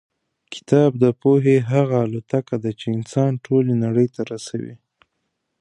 کتاب د پوهې هغه الوتکه ده چې انسان ټولې نړۍ ته رسوي.